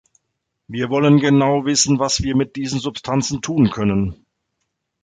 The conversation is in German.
Wir wollen genau wissen, was wir mit diesen Substanzen tun können.